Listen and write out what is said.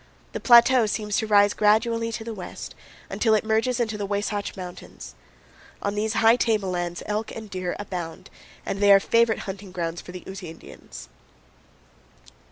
The plateau seems to rise gradually to the west, until it merges into the Wasatch Mountains. On these high table lands elk and deer abound; and they are favorite hunting grounds for the Ute Indians.